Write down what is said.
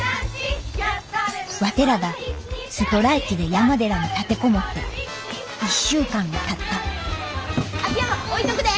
ワテらがストライキで山寺に立て籠もって１週間がたった秋山置いとくで。